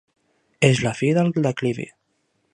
És la fi del declivi.